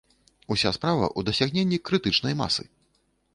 Уся справа ў дасягненні крытычнай масы.